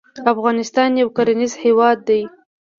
افغانستان يو کرنيز هېواد دی.